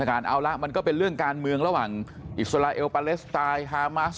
ของสถานการณ์เอาละมันก็เป็นเรื่องการเมืองระหว่างอิสราเอลปาเลสไตล์ฮามาส